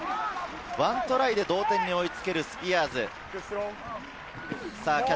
ワントライで同点に追いつけるスピアーズ。